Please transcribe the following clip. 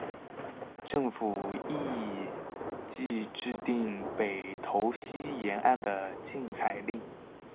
政府亦随即制定北投溪沿岸的禁采令。